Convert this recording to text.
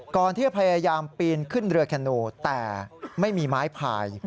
พยายามที่จะพยายามปีนขึ้นเรือแคนูแต่ไม่มีไม้พาย